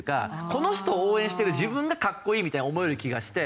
この人を応援してる自分がかっこいいみたいに思える気がして。